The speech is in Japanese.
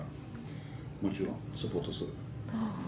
もちろん、サポートする。